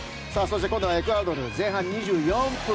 そしてエクアドル、前半２４分。